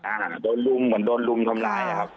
อ่าโดนรุ่งเหมือนโดนรุ่งทำร้ายครับครับ